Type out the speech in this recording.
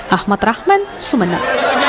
ahmad rahman sumeneb